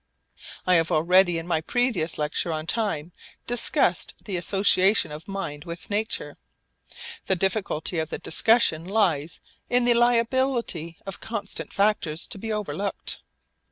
I have already in my previous lecture on Time discussed the association of mind with nature. The difficulty of the discussion lies in the liability of constant factors to be overlooked.